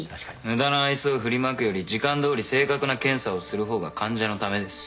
無駄な愛想を振りまくより時間どおり正確な検査をする方が患者のためです